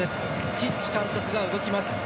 チッチ監督が動きます。